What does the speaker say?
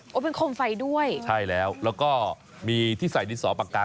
ครับอ๋อเป็นโคมไฟด้วยใช่แล้วแล้วก็ที่ใส่ดินสอปากตา